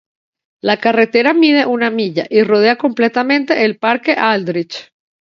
La carretera mide una milla y rodea completamente el Parque Aldrich.